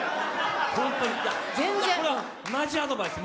本当に、これはマジアドバイス。